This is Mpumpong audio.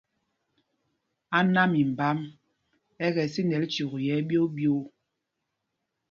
Áná mimbám ɛ kɛ sinɛl cyûk yɛ̄ ɛɓyōō ɓyoo.